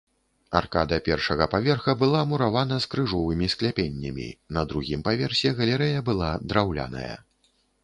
Аркада першага паверха была муравана з крыжовымі скляпеннямі, на другім паверсе галерэя была драўляная.